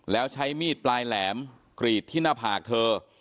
แล้วใช้มีดปลายแหลมกรีดที่หน้าผากเธอ